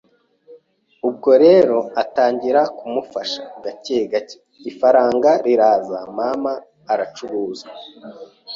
Ubwo rero, atangira kumufasha gake gake, ifaranga riraza mama aracuruza